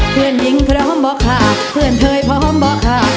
เพื่อนเธอพร้อมป่ะค่ะเพื่อนเธอพร้อมป่ะค่ะ